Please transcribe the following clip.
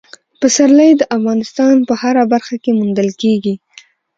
پسرلی د افغانستان په هره برخه کې موندل کېږي.